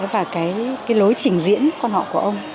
và cái lối trình diễn con họ của ông